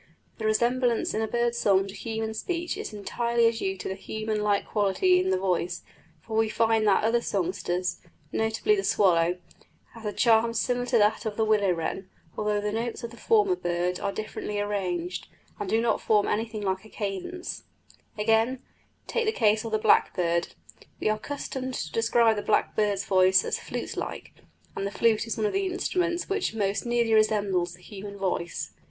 The resemblance in a bird's song to human speech is entirely due to the human like quality in the voice; for we find that other songsters notably the swallow have a charm similar to that of the willow wren, although the notes of the former bird are differently arranged, and do not form anything like a cadence. Again, take the case of the blackbird. We are accustomed to describe the blackbird's voice as flute like, and the flute is one of the instruments which most nearly resemble the human voice.